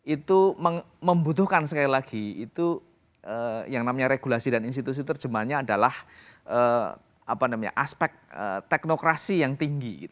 itu membutuhkan sekali lagi itu yang namanya regulasi dan institusi terjemahannya adalah aspek teknokrasi yang tinggi